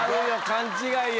勘違いや。